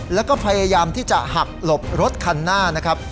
แล้วก็พยายามที่จะหักหลบรถคันหน้านะครับ